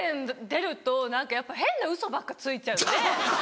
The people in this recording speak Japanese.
出ると何かやっぱ変なウソばっかついちゃうので。